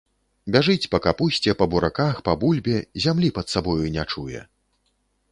Бяжыць па капусце, па бураках, па бульбе, зямлі пад сабою не чуе.